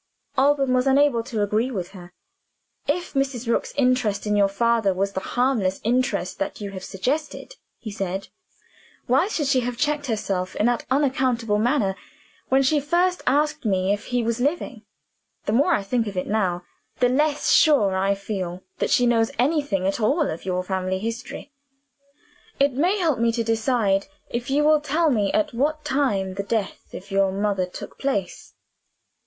Alban was unable to agree with her. "If Mrs. Rook's interest in your father was the harmless interest that you have suggested," he said, "why should she have checked herself in that unaccountable manner, when she first asked me if he was living? The more I think of it now, the less sure I feel that she knows anything at all of your family history. It may help me to decide, if you will tell me at what time the death of your mother took place."